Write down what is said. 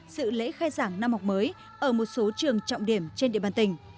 sự lễ khai giảng năm học mới ở một số trường trọng điểm trên địa bàn tỉnh